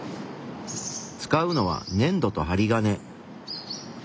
使うのはねんどとはりがね。